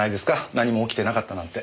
何も起きてなかったなんて。